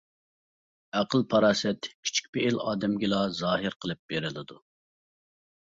ئەقىل-پاراسەت كىچىك پېئىل ئادەمگىلا زاھىر قىلىپ بېرىلىدۇ.